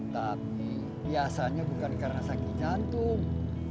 tapi biasanya bukan karena sakit jantung